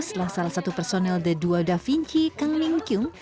setelah salah satu personel the dua da vinci kang ming kyung